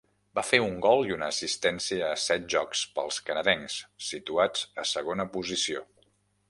Va fer un gol i una assistència a set jocs pels canadencs, situats a segona posició.